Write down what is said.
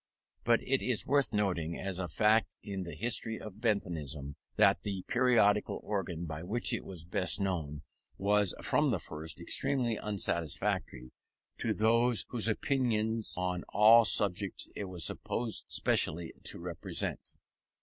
But it is worth noting as a fact in the history of Benthamism, that the periodical organ, by which it was best known, was from the first extremely unsatisfactory to those whose opinions on all subjects it was supposed specially to represent.